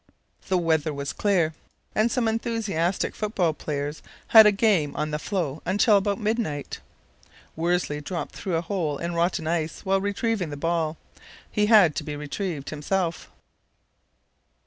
The weather was clear, and some enthusiastic football players had a game on the floe until, about midnight, Worsley dropped through a hole in rotten ice while retrieving the ball. He had to be retrieved himself.